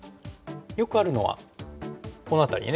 よくあるのはこの辺りに。